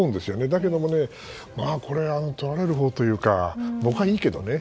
だけども、これはとられるほうというか僕はいいけどね。